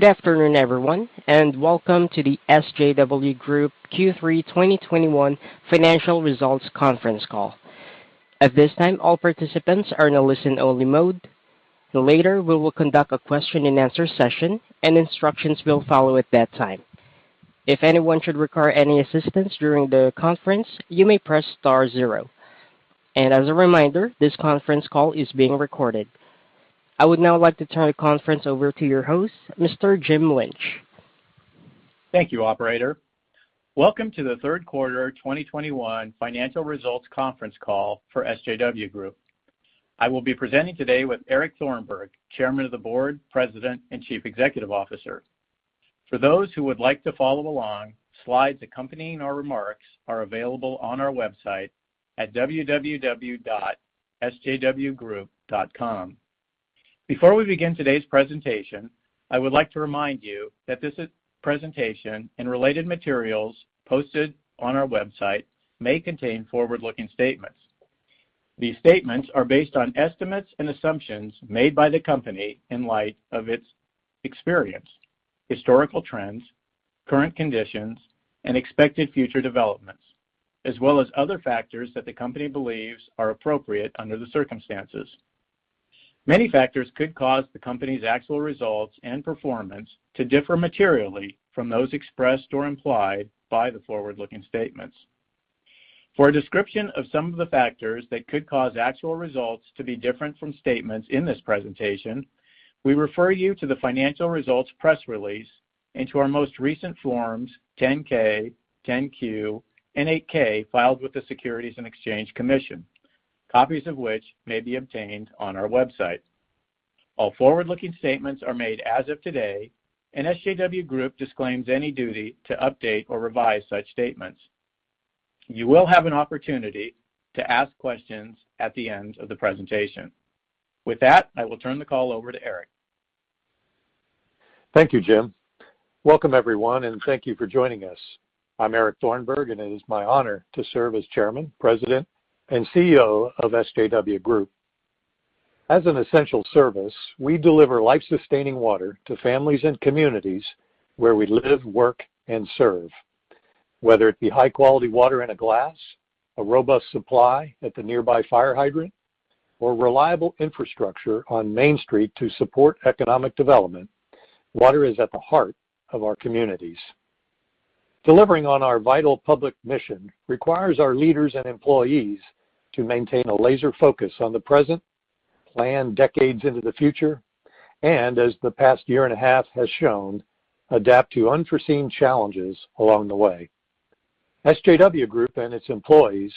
Good afternoon, everyone, and welcome to the SJW Group Q3 2021 Financial Results Conference Call. At this time, all participants are in a listen-only mode. Later, we will conduct a question and answer session and instructions will follow at that time. If anyone should require any assistance during the conference, you may press star zero. As a reminder, this conference call is being recorded. I would now like to turn the conference over to your host, Mr. Jim Lynch. Thank you, operator. Welcome to the Third Quarter 2021 Financial Results Conference Call for SJW Group. I will be presenting today with Eric Thornburg, Chairman of the Board, President, and Chief Executive Officer. For those who would like to follow along, slides accompanying our remarks are available on our website at www.sjwgroup.com. Before we begin today's presentation, I would like to remind you that this presentation and related materials posted on our website may contain forward-looking statements. These statements are based on estimates and assumptions made by the company in light of its experience, historical trends, current conditions, and expected future developments, as well as other factors that the company believes are appropriate under the circumstances. Many factors could cause the company's actual results and performance to differ materially from those expressed or implied by the forward-looking statements. For a description of some of the factors that could cause actual results to be different from statements in this presentation, we refer you to the financial results press release and to our most recent Forms 10-K, 10-Q, and 8-K filed with the Securities and Exchange Commission, copies of which may be obtained on our website. All forward-looking statements are made as of today, and SJW Group disclaims any duty to update or revise such statements. You will have an opportunity to ask questions at the end of the presentation. With that, I will turn the call over to Eric. Thank you, Jim. Welcome, everyone, and thank you for joining us. I'm Eric Thornburg, and it is my honor to serve as Chairman, President, and CEO of SJW Group. As an essential service, we deliver life-sustaining water to families and communities where we live, work, and serve. Whether it be high-quality water in a glass, a robust supply at the nearby fire hydrant, or reliable infrastructure on Main Street to support economic development, water is at the heart of our communities. Delivering on our vital public mission requires our leaders and employees to maintain a laser focus on the present, plan decades into the future, and as the past year and a half has shown, adapt to unforeseen challenges along the way. SJW Group and its employees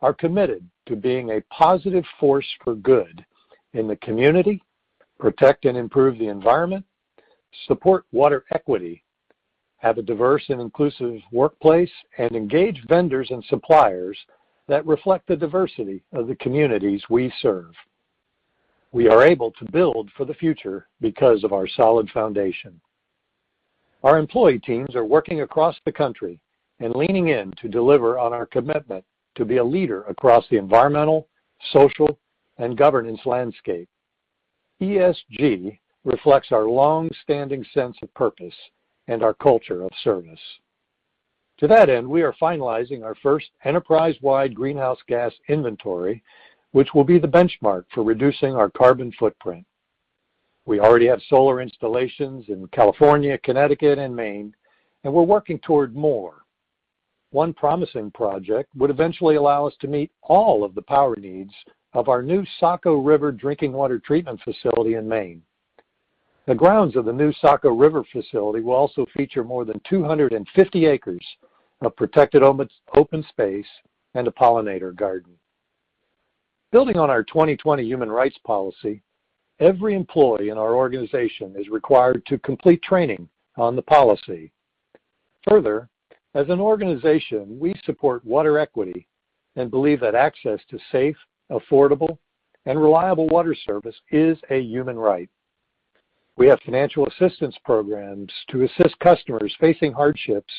are committed to being a positive force for good in the community, protect and improve the environment, support water equity, have a diverse and inclusive workplace, and engage vendors and suppliers that reflect the diversity of the communities we serve. We are able to build for the future because of our solid foundation. Our employee teams are working across the country and leaning in to deliver on our commitment to be a leader across the environmental, social, and governance landscape. ESG reflects our long-standing sense of purpose and our culture of service. To that end, we are finalizing our first enterprise-wide greenhouse gas inventory, which will be the benchmark for reducing our carbon footprint. We already have solar installations in California, Connecticut, and Maine, and we're working toward more. One promising project would eventually allow us to meet all of the power needs of our new Saco River Drinking Water Treatment Facility in Maine. The grounds of the new Saco River facility will also feature more than 250 acres of protected open space and a pollinator garden. Building on our 2020 human rights policy, every employee in our organization is required to complete training on the policy. Further, as an organization, we support water equity and believe that access to safe, affordable, and reliable water service is a human right. We have financial assistance programs to assist customers facing hardships,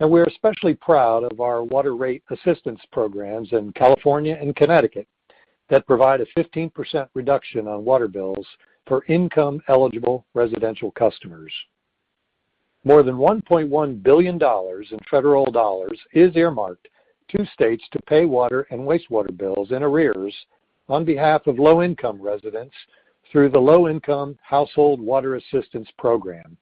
and we're especially proud of our water rate assistance programs in California and Connecticut that provide a 15% reduction on water bills for income-eligible residential customers. More than $1.1 billion in federal dollars is earmarked to states to pay water and wastewater bills in arrears on behalf of low-income residents through the Low Income Household Water Assistance Program.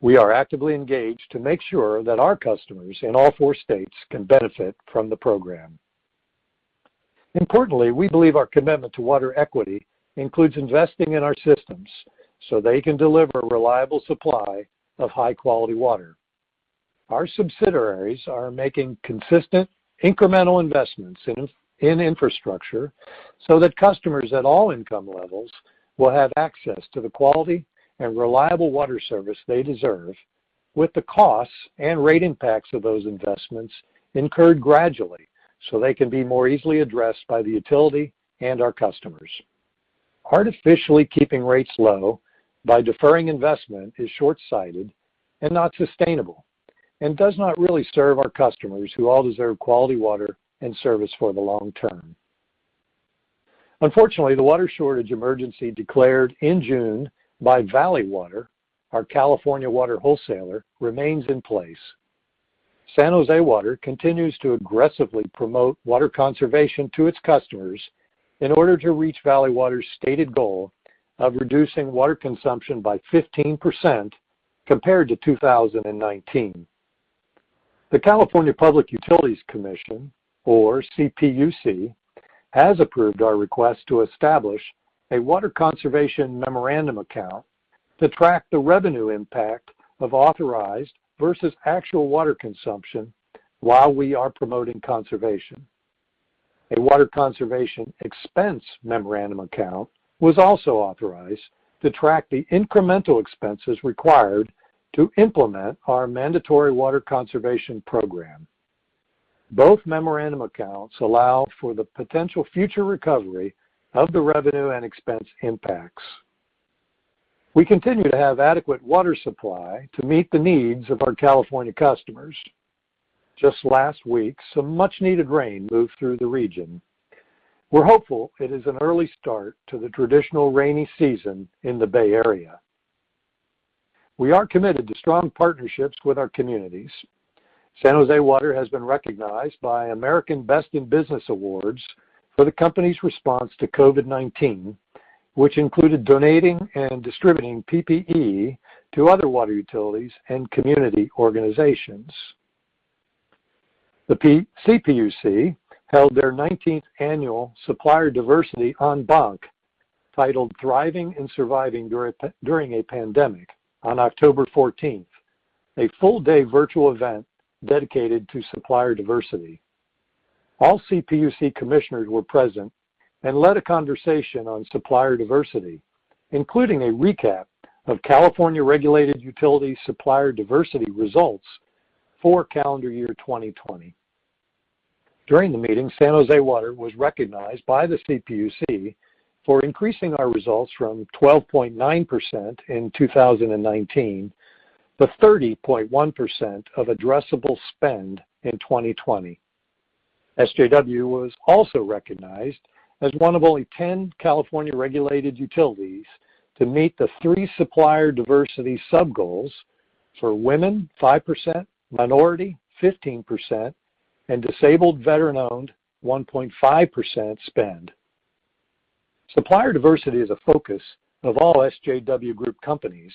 We are actively engaged to make sure that our customers in all four states can benefit from the program. Importantly, we believe our commitment to water equity includes investing in our systems so they can deliver reliable supply of high-quality water. Our subsidiaries are making consistent incremental investments in infrastructure so that customers at all income levels will have access to the quality and reliable water service they deserve with the costs and rate impacts of those investments incurred gradually so they can be more easily addressed by the utility and our customers. Artificially keeping rates low by deferring investment is short-sighted and not sustainable, and does not really serve our customers who all deserve quality water and service for the long term. Unfortunately, the water shortage emergency declared in June by Valley Water, our California water wholesaler, remains in place. San Jose Water continues to aggressively promote water conservation to its customers in order to reach Valley Water's stated goal of reducing water consumption by 15% compared to 2019. The California Public Utilities Commission, or CPUC, has approved our request to establish a Water Conservation Memorandum Account to track the revenue impact of authorized versus actual water consumption while we are promoting conservation. A Water Conservation Expense Memorandum Account was also authorized to track the incremental expenses required to implement our mandatory water conservation program. Both memorandum accounts allow for the potential future recovery of the revenue and expense impacts. We continue to have adequate water supply to meet the needs of our California customers. Just last week, some much-needed rain moved through the region. We're hopeful it is an early start to the traditional rainy season in the Bay Area. We are committed to strong partnerships with our communities. San Jose Water has been recognized by Best in Biz Awards for the company's response to COVID-19, which included donating and distributing PPE to other water utilities and community organizations. The CPUC held their nineteenth annual Supplier Diversity En Banc titled Thriving and Surviving During a Pandemic on October 14th, a full-day virtual event dedicated to supplier diversity. All CPUC commissioners were present and led a conversation on supplier diversity, including a recap of California regulated utility supplier diversity results for calendar year 2020. During the meeting, San Jose Water was recognized by the CPUC for increasing our results from 12.9% in 2019 to 30.1% of addressable spend in 2020. SJW was also recognized as one of only 10 California regulated utilities to meet the three supplier diversity subgoals for women, 5%, minority, 15%, and disabled veteran-owned, 1.5% spend. Supplier diversity is a focus of all SJW Group companies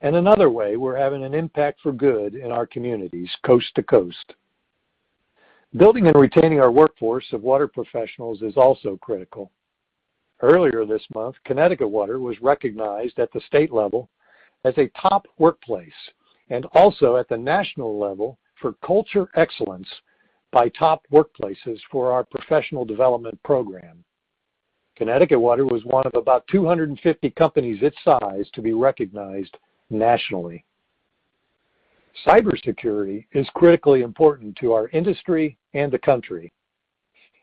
and another way we're having an impact for good in our communities coast to coast. Building and retaining our workforce of water professionals is also critical. Earlier this month, Connecticut Water was recognized at the state level as a Top Workplaces and also at the national level for culture excellence by Top Workplaces for our professional development program. Connecticut Water was one of about 250 companies its size to be recognized nationally. Cybersecurity is critically important to our industry and the country.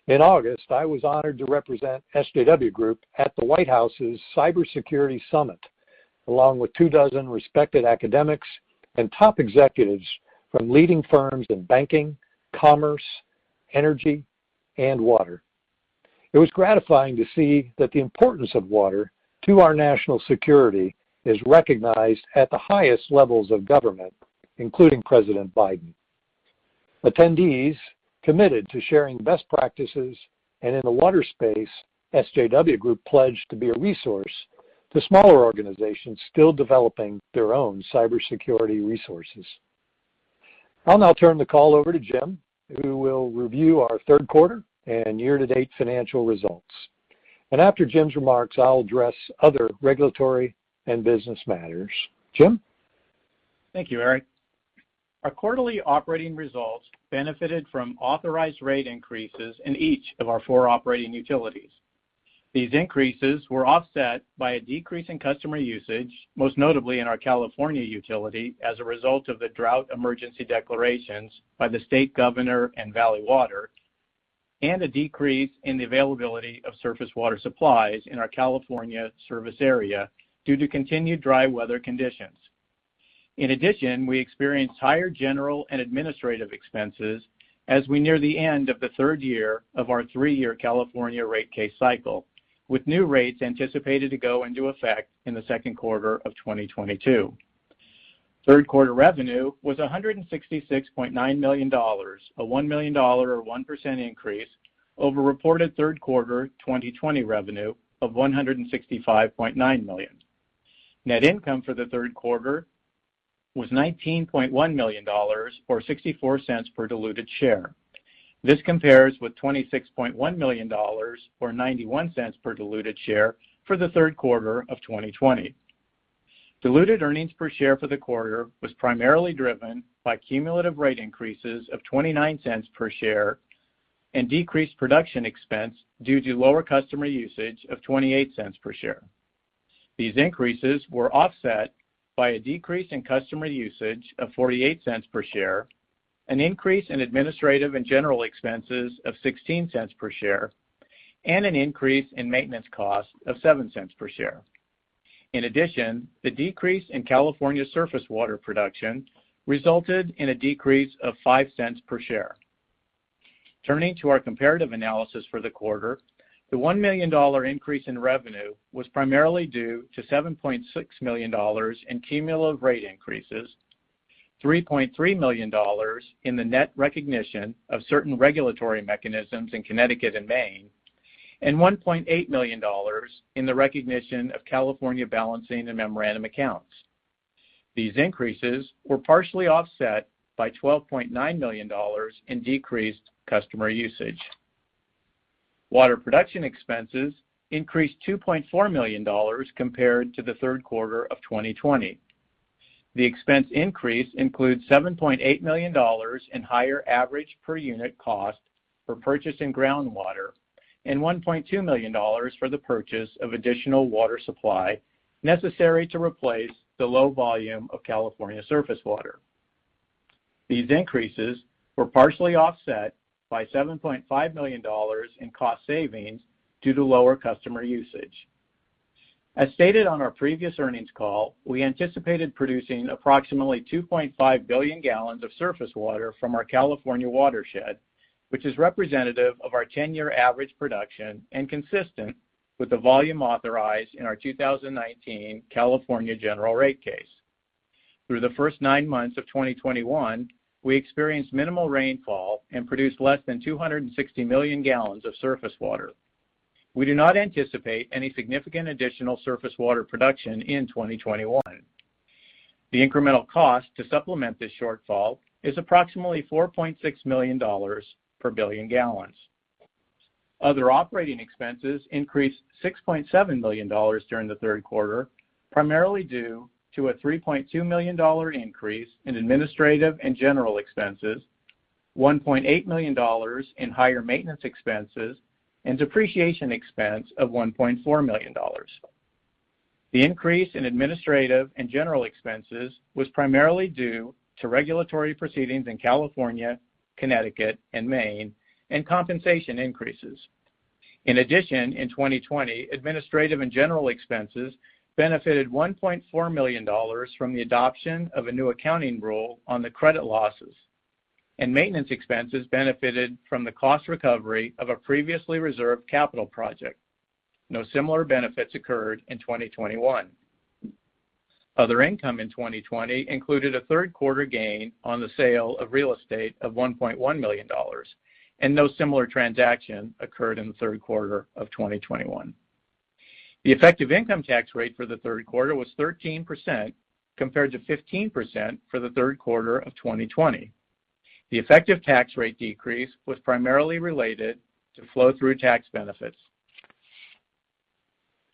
In August, I was honored to represent SJW Group at the White House's Cybersecurity Summit, along with two dozen respected academics and top executives from leading firms in banking, commerce, energy, and water. It was gratifying to see that the importance of water to our national security is recognized at the highest levels of government, including President Biden. Attendees committed to sharing best practices, and in the water space, SJW Group pledged to be a resource to smaller organizations still developing their own cybersecurity resources. I'll now turn the call over to Jim, who will review our third quarter and year-to-date financial results. After Jim's remarks, I'll address other regulatory and business matters. Jim? Thank you, Eric. Our quarterly operating results benefited from authorized rate increases in each of our four operating utilities. These increases were offset by a decrease in customer usage, most notably in our California utility as a result of the drought emergency declarations by the state governor and Valley Water, and a decrease in the availability of surface water supplies in our California service area due to continued dry weather conditions. In addition, we experienced higher general and administrative expenses as we near the end of the third year of our three-year California rate case cycle, with new rates anticipated to go into effect in the second quarter of 2022. Third quarter revenue was $166.9 million, a $1 million or 1% increase over reported third quarter 2020 revenue of $165.9 million. Net income for the third quarter was $19.1 million or $0.64 per diluted share. This compares with $26.1 million or $0.91 per diluted share for the third quarter of 2020. Diluted earnings per share for the quarter was primarily driven by cumulative rate increases of $0.29 per share and decreased production expense due to lower customer usage of $0.28 per share. These increases were offset by a decrease in customer usage of $0.48 per share, an increase in Administrative and General expenses of $0.16 per share, and an increase in maintenance costs of $0.07 per share. In addition, the decrease in California surface water production resulted in a decrease of $0.05 per share. Turning to our comparative analysis for the quarter, the $1 million increase in revenue was primarily due to $7.6 million in cumulative rate increases, $3.3 million in the net recognition of certain regulatory mechanisms in Connecticut and Maine, and $1.8 million in the recognition of California balancing memorandum accounts. These increases were partially offset by $12.9 million in decreased customer usage. Water production expenses increased $2.4 million compared to the third quarter of 2020. The expense increase includes $7.8 million in higher average per unit cost for purchasing groundwater and $1.2 million for the purchase of additional water supply necessary to replace the low volume of California surface water. These increases were partially offset by $7.5 million in cost savings due to lower customer usage. As stated on our previous earnings call, we anticipated producing approximately 2.5 billion gallons of surface water from our California watershed, which is representative of our 10-year average production and consistent with the volume authorized in our 2019 California General Rate Case. Through the first nine months of 2021, we experienced minimal rainfall and produced less than 260 million gallons of surface water. We do not anticipate any significant additional surface water production in 2021. The incremental cost to supplement this shortfall is approximately $4.6 million per billion gallons. Other operating expenses increased $6.7 million during the third quarter, primarily due to a $3.2 million increase in Administrative and General expenses, $1.8 million in higher maintenance expenses, and depreciation expense of $1.4 million. The increase in Administrative and General expenses was primarily due to regulatory proceedings in California, Connecticut, and Maine and compensation increases. In addition, in 2020, Administrative and General expenses benefited $1.4 million from the adoption of a new accounting rule on the credit losses. Maintenance expenses benefited from the cost recovery of a previously reserved capital project. No similar benefits occurred in 2021. Other income in 2020 included a third quarter gain on the sale of real estate of $1.1 million, and no similar transaction occurred in the third quarter of 2021. The effective income tax rate for the third quarter was 13%, compared to 15% for the third quarter of 2020. The effective tax rate decrease was primarily related to flow-through tax benefits.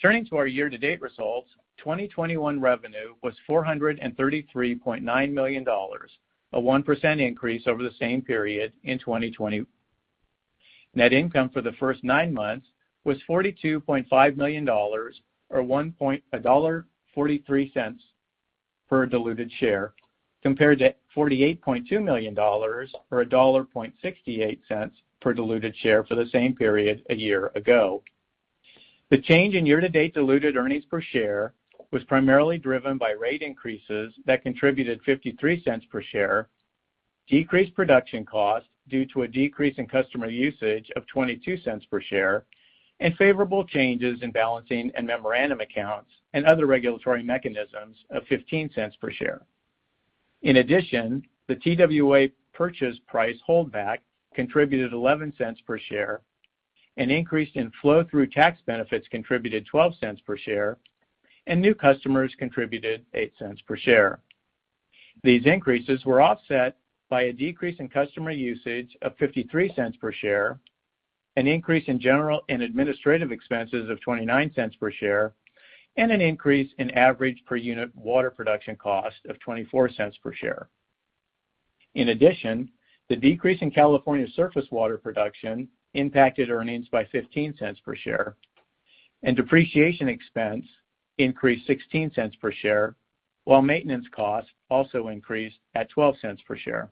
Turning to our year-to-date results, 2021 revenue was $433.9 million, a 1% increase over the same period in 2020. Net income for the first nine months was $42.5 million or $1.43 per diluted share, compared to $48.2 million or $1.68 per diluted share for the same period a year ago. The change in year-to-date diluted earnings per share was primarily driven by rate increases that contributed $0.53 per share, decreased production costs due to a decrease in customer usage of $0.22 per share, and favorable changes in balancing and memorandum accounts and other regulatory mechanisms of $0.15 per share. In addition, the TWA purchase price holdback contributed $0.11 per share, an increase in flow-through tax benefits contributed $0.12 per share, and new customers contributed $0.08 per share. These increases were offset by a decrease in customer usage of $0.53 per share, an increase in general and administrative expenses of $0.29 per share, and an increase in average per unit water production cost of $0.24 per share.In addition, the decrease in California surface water production impacted earnings by $0.15 per share, and depreciation expense increased $0.16 per share, while maintenance costs also increased at $0.12 per share.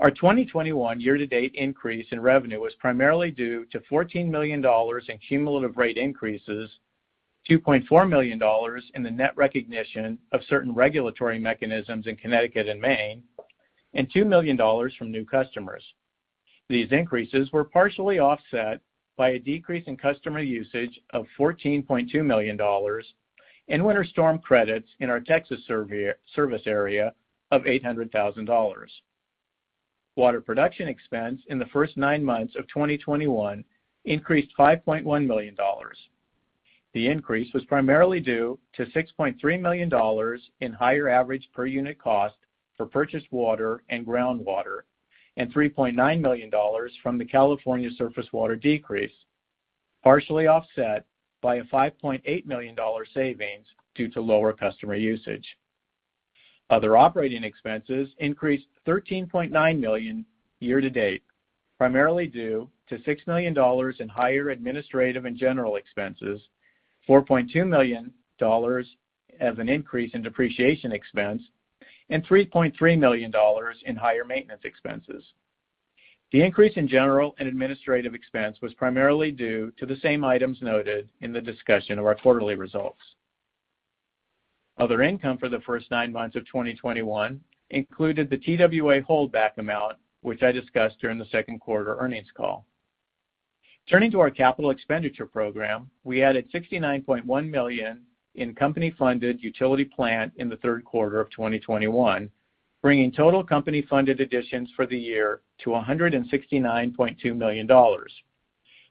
Our 2021 year-to-date increase in revenue was primarily due to $14 million in cumulative rate increases, $2.4 million in the net recognition of certain regulatory mechanisms in Connecticut and Maine, and $2 million from new customers. These increases were partially offset by a decrease in customer usage of $14.2 million and winter storm credits in our Texas SJWTX service area of $800,000. Water production expense in the first nine months of 2021 increased $5.1 million. The increase was primarily due to $6.3 million in higher average per unit cost for purchased water and groundwater and $3.9 million from the California surface water decrease, partially offset by a $5.8 million savings due to lower customer usage. Other operating expenses increased $13.9 million year to date, primarily due to $6 million in higher Administrative and General expenses, $4.2 million as an increase in depreciation expense, and $3.3 million in higher maintenance expenses. The increase in general and administrative expense was primarily due to the same items noted in the discussion of our quarterly results. Other income for the first nine months of 2021 included the TWA holdback amount, which I discussed during the second quarter earnings call. Turning to our capital expenditure program, we added $69.1 million in company-funded utility plant in the third quarter of 2021, bringing total company-funded additions for the year to $169.2 million.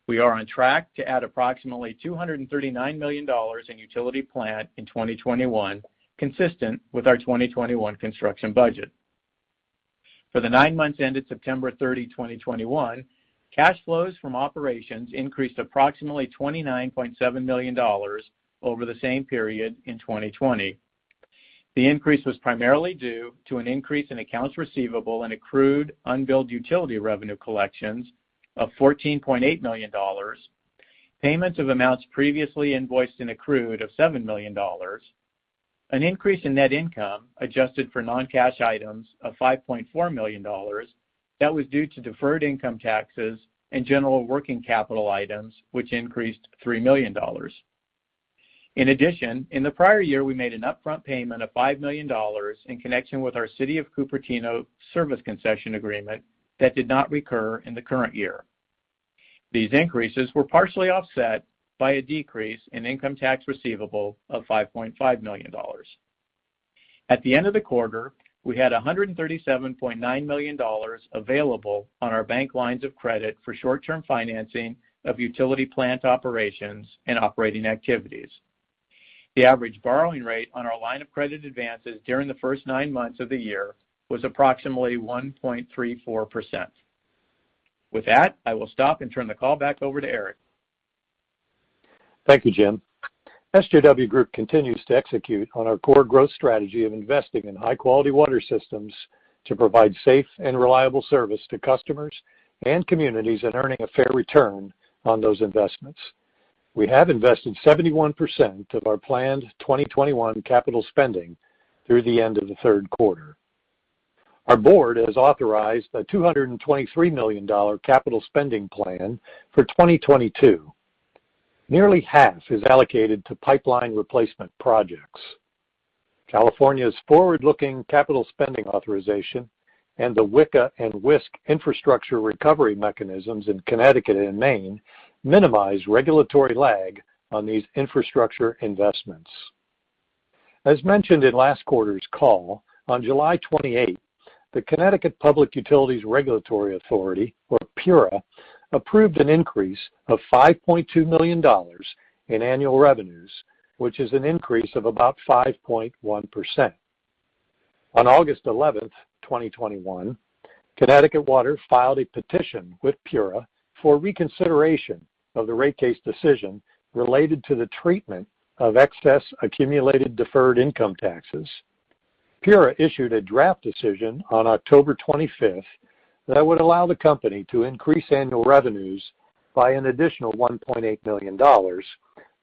We are on track to add approximately $239 million in utility plant in 2021, consistent with our 2021 construction budget. For the nine months ended September 30, 2021, cash flows from operations increased approximately $29.7 million over the same period in 2020. The increase was primarily due to an increase in accounts receivable and accrued unbilled utility revenue collections of $14.8 million, payments of amounts previously invoiced and accrued of $7 million, an increase in net income adjusted for non-cash items of $5.4 million that was due to deferred income taxes and general working capital items, which increased $3 million. In addition, in the prior year, we made an upfront payment of $5 million in connection with our City of Cupertino service concession agreement that did not recur in the current year. These increases were partially offset by a decrease in income tax receivable of $5.5 million. At the end of the quarter, we had $137.9 million available on our bank lines of credit for short-term financing of utility plant operations and operating activities. The average borrowing rate on our line of credit advances during the first nine months of the year was approximately 1.34%. With that, I will stop and turn the call back over to Eric. Thank you, Jim. SJW Group continues to execute on our core growth strategy of investing in high-quality water systems to provide safe and reliable service to customers and communities and earning a fair return on those investments. We have invested 71% of our planned 2021 capital spending through the end of the third quarter. Our board has authorized a $223 million capital spending plan for 2022. Nearly half is allocated to pipeline replacement projects. California's forward-looking capital spending authorization and the WICA and WISC infrastructure recovery mechanisms in Connecticut and Maine minimize regulatory lag on these infrastructure investments. As mentioned in last quarter's call, on July 28, the Connecticut Public Utilities Regulatory Authority, or PURA, approved an increase of $5.2 million in annual revenues, which is an increase of about 5.1%. On August 11, 2021, Connecticut Water filed a petition with PURA for reconsideration of the rate case decision related to the treatment of excess accumulated deferred income taxes. PURA issued a draft decision on October 25 that would allow the company to increase annual revenues by an additional $1.8 million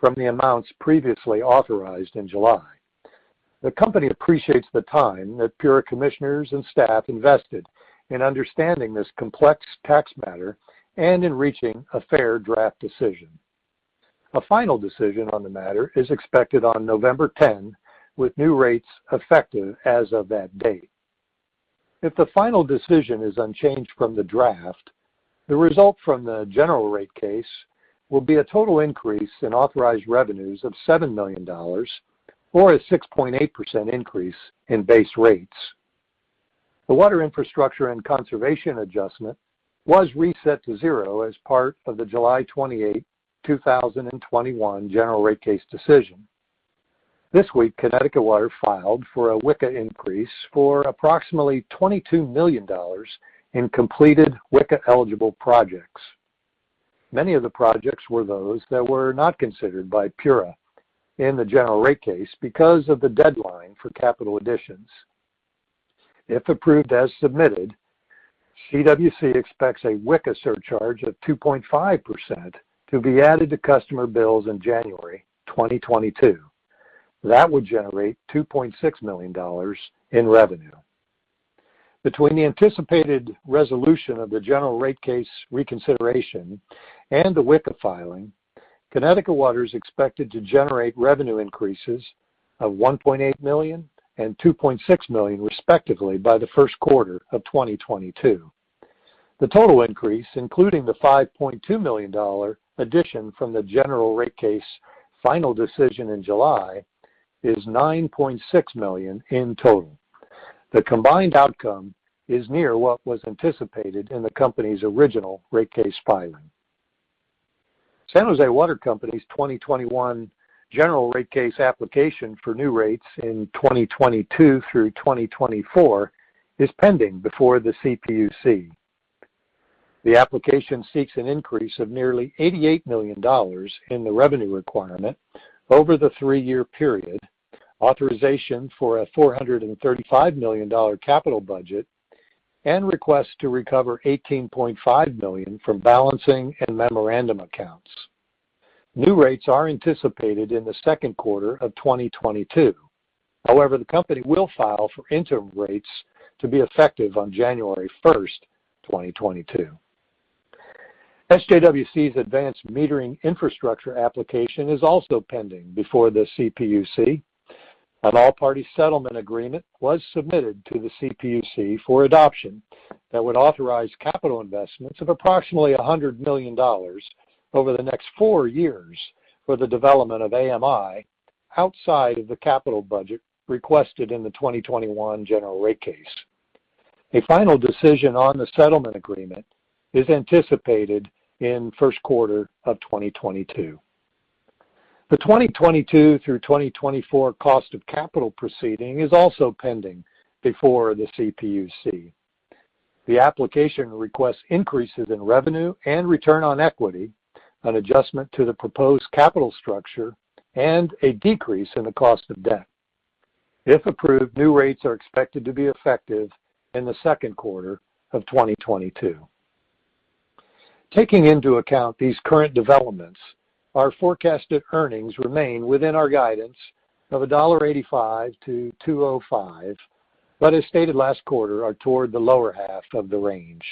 from the amounts previously authorized in July. The company appreciates the time that PURA commissioners and staff invested in understanding this complex tax matter and in reaching a fair draft decision. A final decision on the matter is expected on November 10, with new rates effective as of that date. If the final decision is unchanged from the draft, the result from the General Rate Case will be a total increase in authorized revenues of $7 million or a 6.8% increase in base rates. The Water Infrastructure and Conservation Adjustment was reset to zero as part of the July 28, 2021 General Rate Case decision. This week, Connecticut Water filed for a WICA increase for approximately $22 million in completed WICA-eligible projects. Many of the projects were those that were not considered by PURA in the General Rate Case because of the deadline for capital additions. If approved as submitted, CWC expects a WICA surcharge of 2.5% to be added to customer bills in January 2022. That would generate $2.6 million in revenue. Between the anticipated resolution of the General Rate Case reconsideration and the WICA filing, Connecticut Water is expected to generate revenue increases of $1.8 million and $2.6 million, respectively, by the first quarter of 2022. The total increase, including the $5.2 million addition from the General Rate Case final decision in July, is $9.6 million in total. The combined outcome is near what was anticipated in the company's original rate case filing. San Jose Water Company's 2021 General Rate Case application for new rates in 2022 through 2024 is pending before the CPUC. The application seeks an increase of nearly $88 million in the revenue requirement over the three-year period, authorization for a $435 million capital budget, and requests to recover $18.5 million from balancing and memorandum accounts. New rates are anticipated in the second quarter of 2022. However, the company will file for interim rates to be effective on January 1st, 2022. SJWC's advanced metering infrastructure application is also pending before the CPUC. An all-party settlement agreement was submitted to the CPUC for adoption that would authorize capital investments of approximately $100 million over the next four years for the development of AMI outside of the capital budget requested in the 2021 General Rate Case. A final decision on the settlement agreement is anticipated in first quarter of 2022. The 2022 through 2024 Cost of Capital proceeding is also pending before the CPUC. The application requests increases in revenue and return on equity, an adjustment to the proposed capital structure, and a decrease in the cost of debt. If approved, new rates are expected to be effective in the second quarter of 2022. Taking into account these current developments, our forecasted earnings remain within our guidance of $1.85-$2.05, but as stated last quarter, are toward the lower half of the range.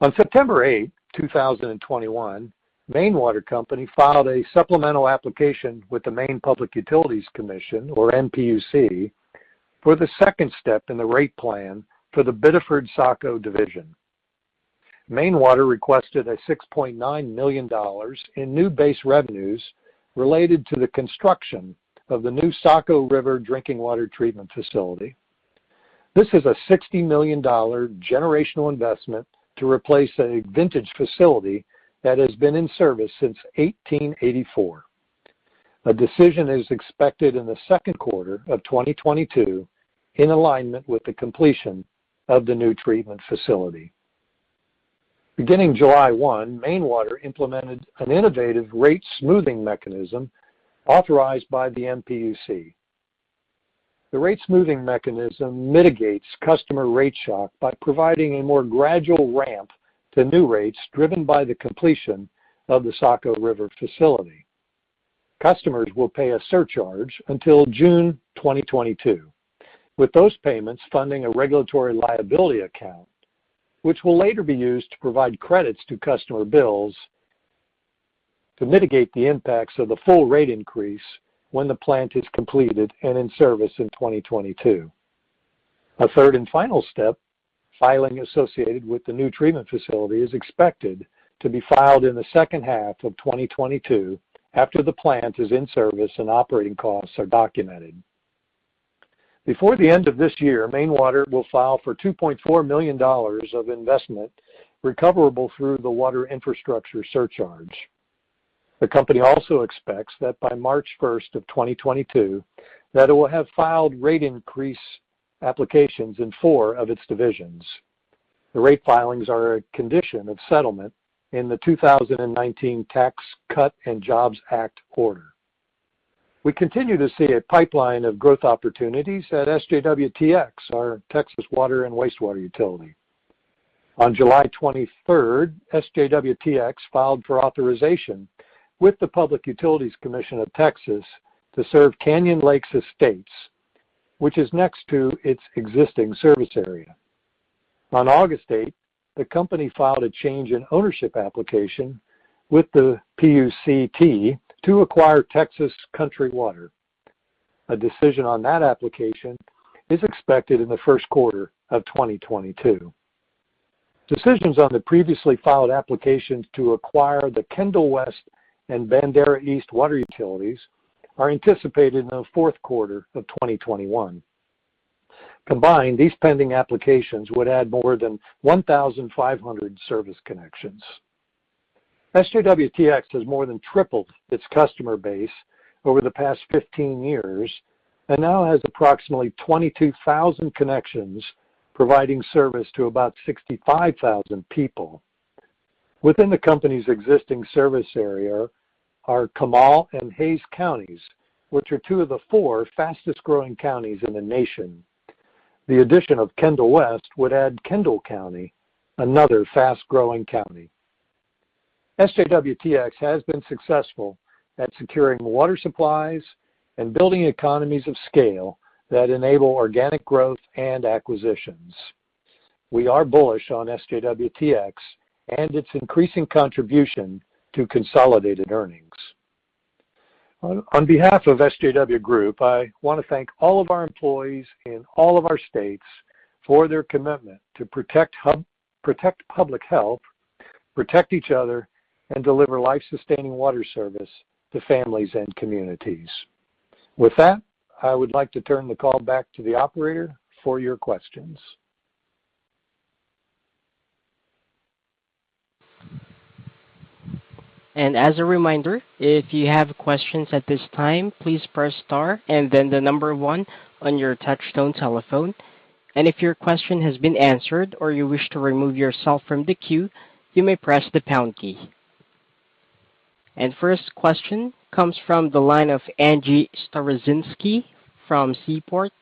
On September 8th, 2021, Maine Water Company filed a supplemental application with the Maine Public Utilities Commission, or MPUC, for the second step in the rate plan for the Biddeford Saco Division. Maine Water requested $6.9 million in new base revenues related to the construction of the new Saco River Drinking Water Treatment Facility. This is a $60 million generational investment to replace a vintage facility that has been in service since 1884. A decision is expected in the second quarter of 2022 in alignment with the completion of the new treatment facility. Beginning July 1, Maine Water implemented an innovative rate smoothing mechanism authorized by the MPUC. The rate smoothing mechanism mitigates customer rate shock by providing a more gradual ramp to new rates driven by the completion of the Saco River facility. Customers will pay a surcharge until June 2022, with those payments funding a regulatory liability account, which will later be used to provide credits to customer bills to mitigate the impacts of the full rate increase when the plant is completed and in service in 2022. A third and final step filing associated with the new treatment facility is expected to be filed in the second half of 2022 after the plant is in service and operating costs are documented. Before the end of this year, Maine Water will file for $2.4 million of investment recoverable through the Water Infrastructure Surcharge. The company also expects that by March 1st, 2022 that it will have filed rate increase applications in four of its divisions. The rate filings are a condition of settlement in the 2019 Tax Cuts and Jobs Act order. We continue to see a pipeline of growth opportunities at SJWTX, our Texas water and wastewater utility. On July 23, SJWTX filed for authorization with the Public Utilities Commission of Texas to serve Canyon Lakes Estates, which is next to its existing service area. On August 8th, the company filed a change in ownership application with the PUCT to acquire Texas Country Water. A decision on that application is expected in the first quarter of 2022. Decisions on the previously filed applications to acquire the Kendall West and Bandera East water utilities are anticipated in the fourth quarter of 2021. Combined, these pending applications would add more than 1,500 service connections. SJWTX has more than tripled its customer base over the past 15 years and now has approximately 22,000 connections, providing service to about 65,000 people. Within the company's existing service area are Comal and Hays Counties, which are two of the four fastest growing counties in the nation. The addition of Kendall West would add Kendall County, another fast-growing county. SJWTX has been successful at securing water supplies and building economies of scale that enable organic growth and acquisitions. We are bullish on SJWTX and its increasing contribution to consolidated earnings. On behalf of SJW Group, I want to thank all of our employees in all of our states for their commitment to protect public health, protect each other, and deliver life-sustaining water service to families and communities. With that, I would like to turn the call back to the operator for your questions. As a reminder, if you have questions at this time, please press star and then the number one on your touchtone telephone. If your question has been answered or you wish to remove yourself from the queue, you may press the pound key. First question comes from the line of Angie Storozynski from Seaport.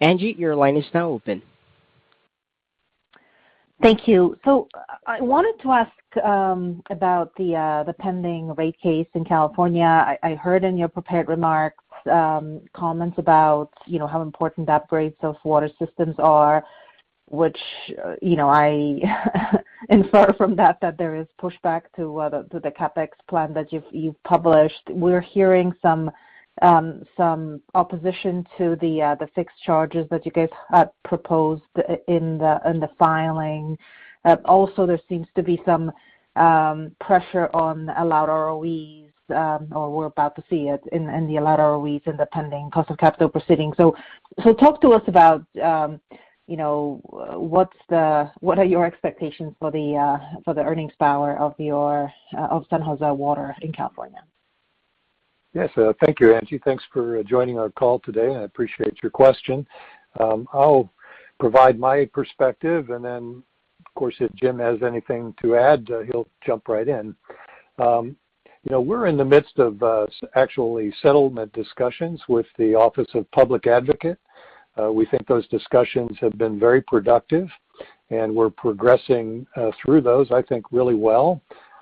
Angie, your line is now open. Thank you. I wanted to ask about the pending rate case in California. I heard in your prepared remarks comments about, you know, how important the upgrades of water systems are, which, you know, I infer from that there is pushback to the CapEx plan that you've published. We're hearing some opposition to the fixed charges that you guys had proposed in the filing. Also there seems to be some pressure on allowed ROEs, or we're about to see it in the allowed ROEs in the pending Cost of Capital proceeding. Talk to us about, you know, what are your expectations for the earnings power of your San Jose Water in California. Yes. Thank you, Angie. Thanks for joining our call today, and I appreciate your question. I'll provide my perspective, and then of course, if Jim has anything to add, he'll jump right in. You know, we're in the midst of actually settlement discussions with the Public Advocates Office. We think those discussions have been very productive, and we're progressing through those, I think, really well.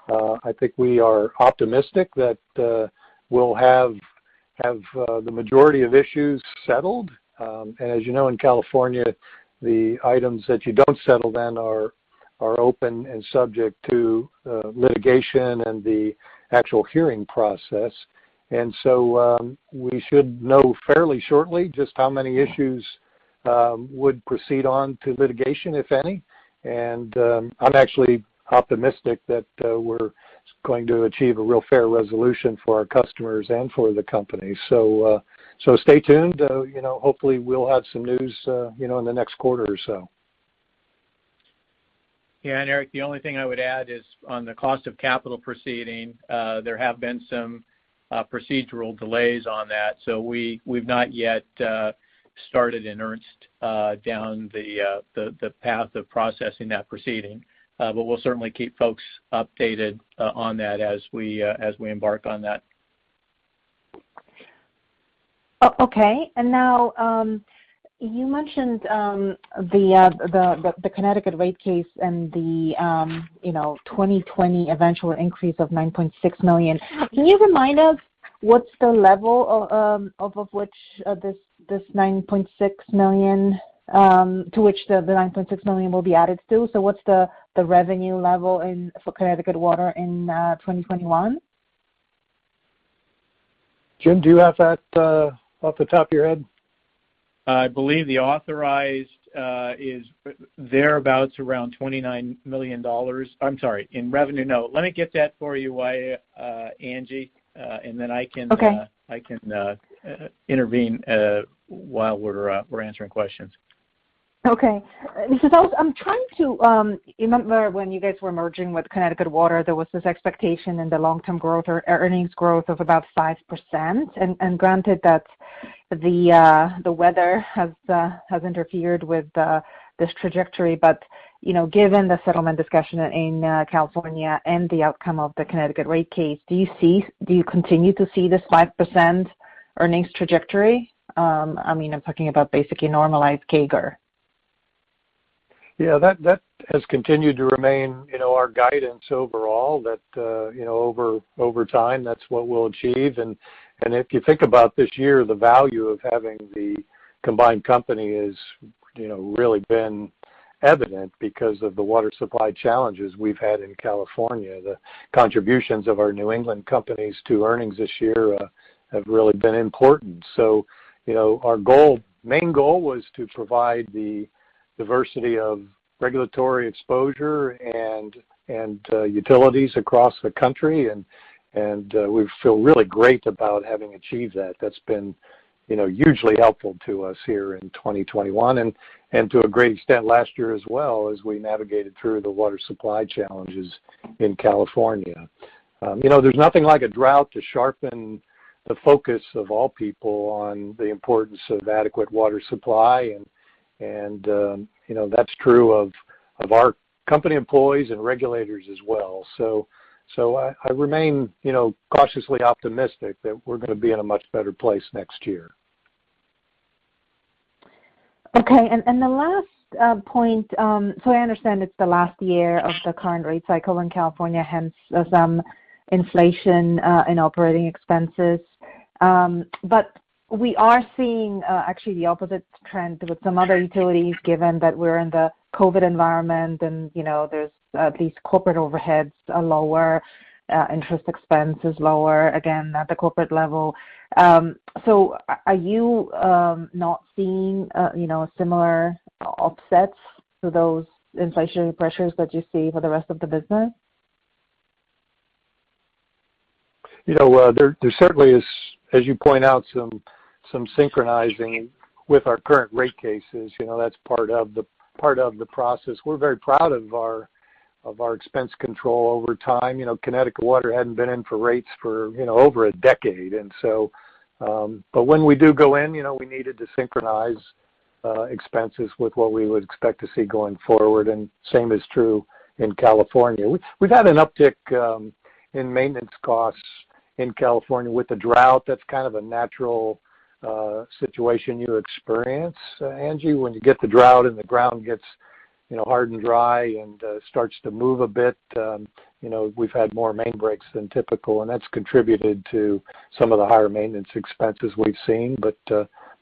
I think we are optimistic that we'll have the majority of issues settled. As you know, in California, the items that you don't settle then are open and subject to litigation and the actual hearing process. We should know fairly shortly just how many issues would proceed on to litigation, if any. I'm actually optimistic that we're going to achieve a real fair resolution for our customers and for the company. Stay tuned. You know, hopefully we'll have some news, you know, in the next quarter or so. Yeah. Eric, the only thing I would add is on the Cost of Capital proceeding. There have been some procedural delays on that, so we've not yet started in earnest down the path of processing that proceeding. We'll certainly keep folks updated on that as we embark on that. Okay. Now you mentioned the Connecticut rate case and you know the 2020 eventual increase of $9.6 million. Can you remind us what's the level of which this $9.6 million to which the $9.6 million will be added to? What's the revenue level in for Connecticut Water in 2021? Jim, do you have that off the top of your head? I believe the authorized is thereabouts around $29 million. I'm sorry, in revenue. No. Let me get that for you, Angie, and then I can- Okay. I can intervene while we're answering questions. Okay. This is also, I'm trying to remember when you guys were merging with Connecticut Water, there was this expectation in the long-term growth or earnings growth of about 5%. Granted that the weather has interfered with this trajectory. You know, given the settlement discussion in California and the outcome of the Connecticut rate case, do you continue to see this 5% earnings trajectory? I mean, I'm talking about basically normalized CAGR. Yeah. That has continued to remain, you know, our guidance overall that, you know, over time, that's what we'll achieve. If you think about this year, the value of having the combined company is, you know, really been evident because of the water supply challenges we've had in California. The contributions of our New England companies to earnings this year have really been important. You know, our goal, main goal was to provide the diversity of regulatory exposure and utilities across the country and we feel really great about having achieved that. That's been, you know, hugely helpful to us here in 2021 and to a great extent last year as well as we navigated through the water supply challenges in California. You know, there's nothing like a drought to sharpen the focus of all people on the importance of adequate water supply and, you know, that's true of our company employees and regulators as well. So I remain, you know, cautiously optimistic that we're gonna be in a much better place next year. I understand it's the last year of the current rate cycle in California, hence some inflation in operating expenses. We are seeing actually the opposite trend with some other utilities given that we're in the COVID environment and, you know, there's these corporate overheads are lower, interest expense is lower, again, at the corporate level. Are you not seeing, you know, similar offsets to those inflationary pressures that you see for the rest of the business? You know, there certainly is, as you point out, some synchronizing with our current rate cases. You know, that's part of the process. We're very proud of our expense control over time. You know, Connecticut Water hadn't been in for rates for, you know, over a decade. When we do go in, you know, we needed to synchronize expenses with what we would expect to see going forward, and same is true in California. We've had an uptick in maintenance costs in California with the drought, that's kind of a natural situation you experience, Angie, when you get the drought and the ground gets, you know, hard and dry and starts to move a bit. You know, we've had more main breaks than typical, and that's contributed to some of the higher maintenance expenses we've seen.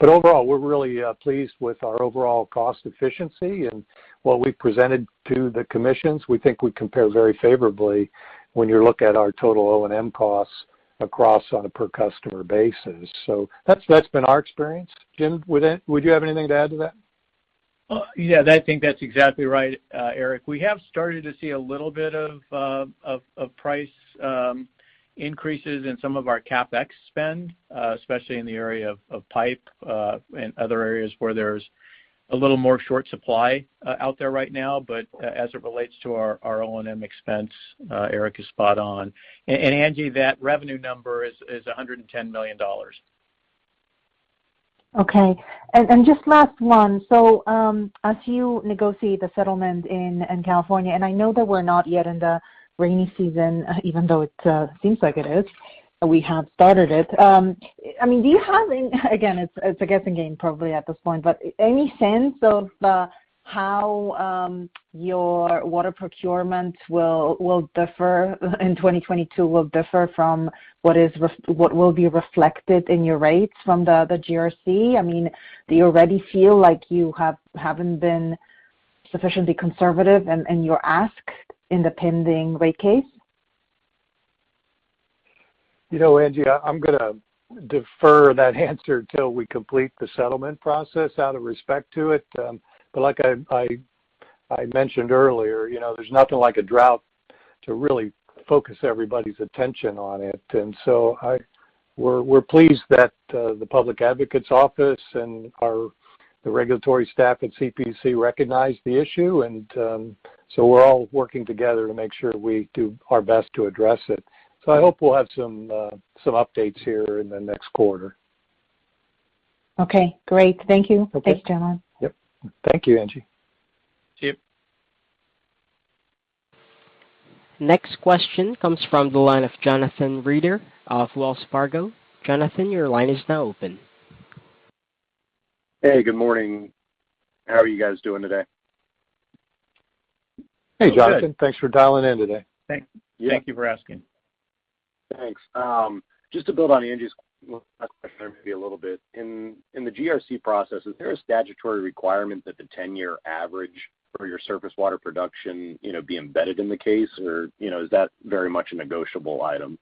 Overall, we're really pleased with our overall cost efficiency and what we presented to the commissions. We think we compare very favorably when you look at our total O&M costs across on a per customer basis. That's been our experience. Jim, would you have anything to add to that? Yeah. I think that's exactly right, Eric. We have started to see a little bit of price increases in some of our CapEx spend, especially in the area of pipe and other areas where there's a little more short supply out there right now. As it relates to our O&M expense, Eric is spot on. Angie, that revenue number is $110 million. Okay. Just last one. As you negotiate the settlement in California, and I know that we're not yet in the rainy season, even though it seems like it is, we have started it. I mean, do you have any? Again, it's a guessing game probably at this point, but any sense of how your water procurement will differ in 2022 from what will be reflected in your rates from the GRC? I mean, do you already feel like you haven't been sufficiently conservative in your ask in the pending rate case? You know, Angie, I'm gonna defer that answer till we complete the settlement process out of respect to it. Like I mentioned earlier, you know, there's nothing like a drought to really focus everybody's attention on it. We're pleased that the Public Advocate's Office and the regulatory staff at CPUC recognize the issue. We're all working together to make sure we do our best to address it. I hope we'll have some updates here in the next quarter. Okay, great. Thank you. Okay. Thanks, gentlemen. Yep. Thank you, Angie. Thank you. Next question comes from the line of Jonathan Reeder of Wells Fargo. Jonathan, your line is now open. Hey, good morning. How are you guys doing today? Hey, Jonathan. We're good. Thanks for dialing in today. Thank- Yeah. Thank you for asking. Thanks. Just to build on Angie's question maybe a little bit. In the GRC process, is there a statutory requirement that the 10-year average for your surface water production, you know, be embedded in the case? Or, you know, is that very much a negotiable item?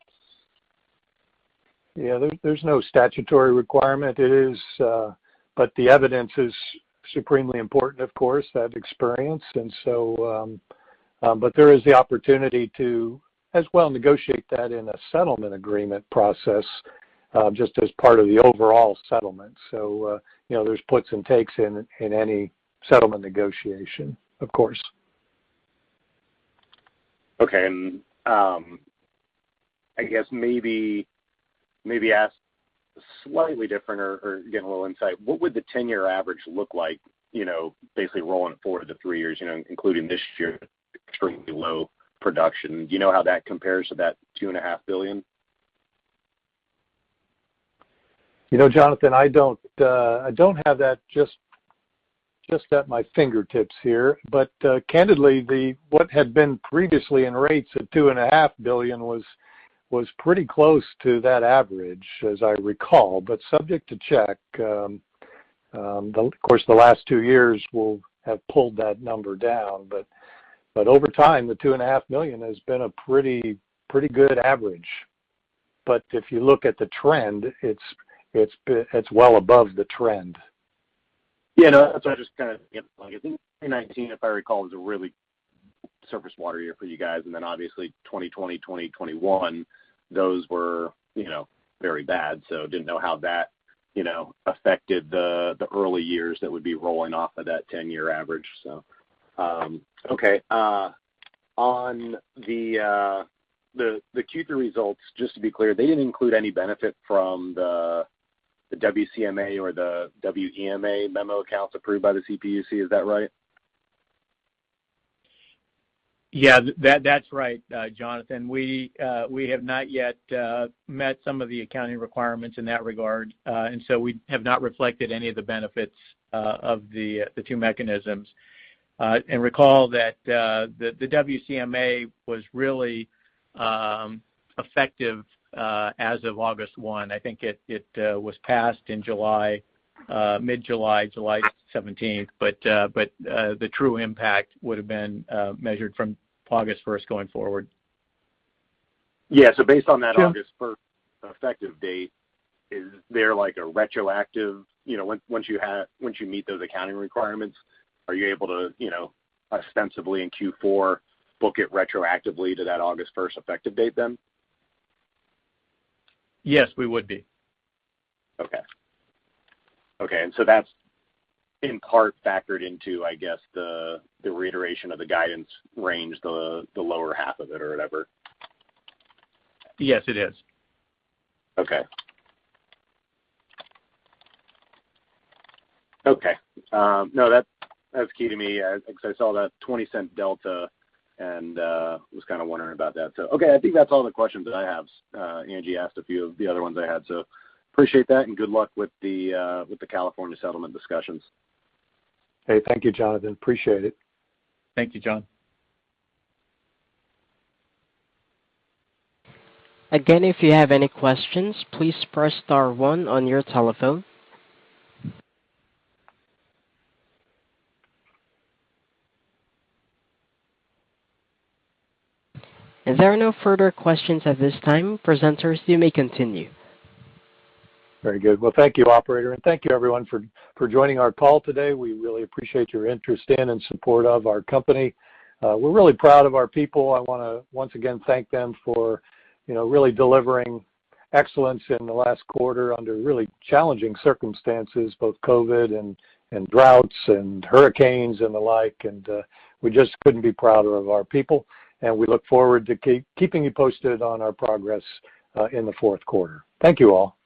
Yeah. There's no statutory requirement. It is, but the evidence is supremely important, of course I've experienced. There is the opportunity to, as well, negotiate that in a settlement agreement process, just as part of the overall settlement. You know, there's puts and takes in any settlement negotiation, of course. Okay. I guess maybe ask slightly different or get a little insight. What would the 10-year average look like, you know, basically rolling forward the three years, you know, including this year, extremely low production? Do you know how that compares to that $2.5 billion? You know, Jonathan, I don't have that just at my fingertips here. Candidly, what had been previously in rates of $2.5 billion was pretty close to that average as I recall. Subject to check, of course, the last two years will have pulled that number down. Over time, the $2.5 million has been a pretty good average. If you look at the trend, it's well above the trend. Yeah. No, I just kinda Yeah. I think in 2019, if I recall, was a really surface water year for you guys. Obviously 2020, 2021, those were, you know, very bad. Didn't know how that, you know, affected the early years that would be rolling off of that 10-year average. Okay. On the Q3 results, just to be clear, they didn't include any benefit from the WCMA or the WEMA memo accounts approved by the CPUC. Is that right? Yeah. That's right, Jonathan. We have not yet met some of the accounting requirements in that regard. We have not reflected any of the benefits of the two mechanisms. Recall that the WCMA was really effective as of August 1. I think it was passed in July, mid-July, July 17. The true impact would have been measured from August 1 going forward. Yeah. Based on that. Yeah August first effective date, is there like a retroactive? You know, once you meet those accounting requirements, are you able to, you know, ostensibly in Q4, book it retroactively to that August first effective date then? Yes, we would be. That's in part factored into, I guess, the reiteration of the guidance range, the lower half of it or whatever? Yes, it is. Okay. No. That's key to me as I saw that $0.20 delta and was kinda wondering about that. Okay, I think that's all the questions that I have. Angie asked a few of the other ones I had. Appreciate that and good luck with the California settlement discussions. Hey, thank you, Jonathan. Appreciate it. Thank you, John. Again, if you have any questions, please press star one on your telephone. If there are no further questions at this time, presenters, you may continue. Very good. Well, thank you, operator, and thank you everyone for joining our call today. We really appreciate your interest in and support of our company. We're really proud of our people. I wanna, once again, thank them for, you know, really delivering excellence in the last quarter under really challenging circumstances, both COVID and droughts and hurricanes and the like. We just couldn't be prouder of our people, and we look forward to keeping you posted on our progress in the fourth quarter. Thank you all.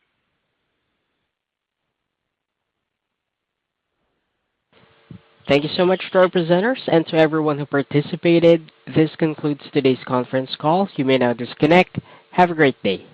Thank you so much to our presenters and to everyone who participated. This concludes today's conference call. You may now disconnect. Have a great day.